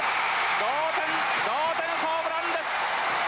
同点同点ホームランです。